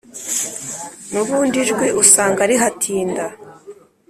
n’ubundi ijwi usanga rihatinda.